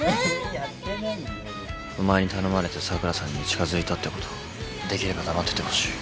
お前に頼まれて桜さんに近づいたってことできれば黙っててほしい。